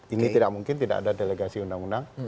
ini tidak mungkin tidak ada delegasi undang undang